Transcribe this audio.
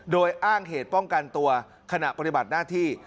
โดยอ้างเหตุป้องกันตัวขณะปฏิบัติหน้าที่